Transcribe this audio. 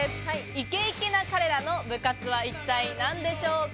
イケイケな彼らの部活は一体何でしょうか？